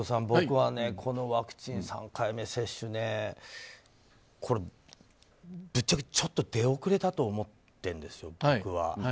僕はこのワクチン３回目接種ぶっちゃけ、ちょっと出遅れたと思ってるんですよ、僕は。